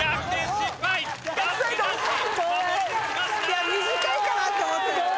いや短いかなって思った。